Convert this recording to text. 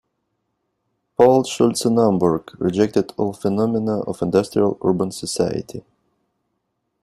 Paul Schultze-Naumburg rejected all phenomena of industrial, urban society.